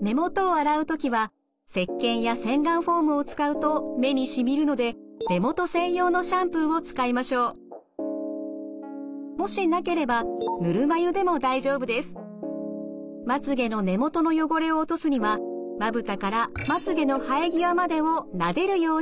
目元を洗う時はせっけんや洗顔フォームを使うと目にしみるので目元専用のシャンプーを使いましょう。もしなければまつげの根元の汚れを落とすにはまぶたからまつげの生え際までをなでるように洗います。